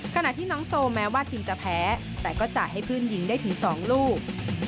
ขณะที่น้องโซแม้ว่าทีมจะแพ้แต่ก็จ่ายให้เพื่อนหญิงได้ถึง๒ลูก